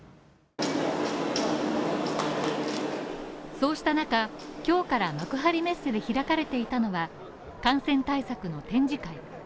そうした中、今日から幕張メッセで開かれていたのが、感染対策の展示会。